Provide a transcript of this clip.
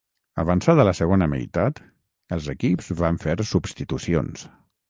Avançada la segona meitat, els equips van fer substitucions.